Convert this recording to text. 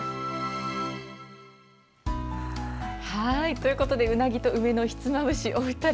ということでうなぎと梅のひつまぶし